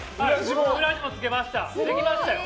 裏地もつけました。